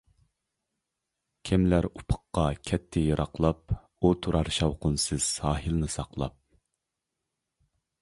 كېمىلەر ئۇپۇققا كەتتى يىراقلاپ، ئۇ تۇرار شاۋقۇنسىز ساھىلنى ساقلاپ.